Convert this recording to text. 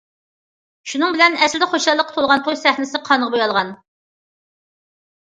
شۇنىڭ بىلەن ئەسلىدە خۇشاللىققا تولغان توي سەھنىسى قانغا بويالغان.